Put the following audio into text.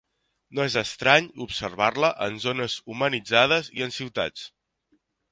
No és estrany observar-la en zones humanitzades i en ciutats.